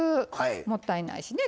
もったいないしね。